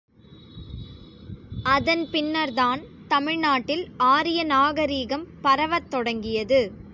அதன் பின்னர்தான் தமிழ்நாட்டில் ஆரிய நாகரிகம் பரவத் தொடங்கிற்று.